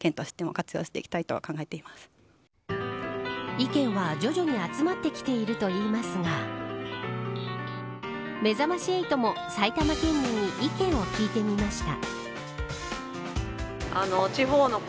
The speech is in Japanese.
意見は徐々に集まってきているといいますがめざまし８も埼玉県民に意見を聞いてみました。